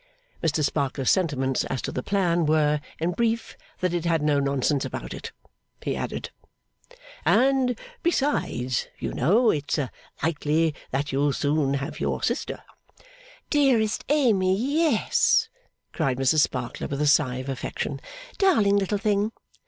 Mr Sparkler's sentiments as to the plan were, in brief, that it had no nonsense about it. He added, 'And besides, you know it's likely that you'll soon have your sister ' 'Dearest Amy, yes!' cried Mrs Sparkler with a sigh of affection. 'Darling little thing!